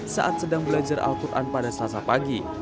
saat sedang belajar al quran pada selasa pagi